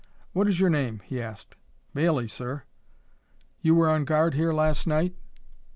"What is your name?" he asked. "Bailley, sir." "You were on guard here last night?"